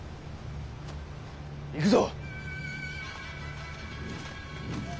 行くぞ！